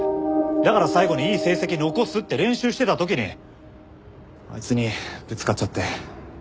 だから最後にいい成績残すって練習してた時にあいつにぶつかっちゃって。